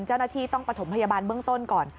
เจ้าหน้าที่ต้องประถมพยาบาลเบื้องต้นก่อน